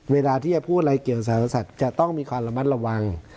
เวลาที่จะพูดอะไรเกี่ยวกับสารสัตว์จะต้องมีความระมัดระวัง